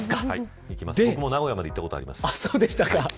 僕も名古屋まで行ったことあります。